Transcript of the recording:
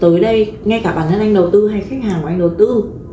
tới đây ngay cả bản thân anh đầu tư hay khách hàng của anh đầu tư